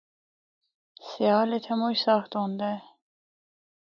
سیال اِتھا مُچ سخت ہوندا اے۔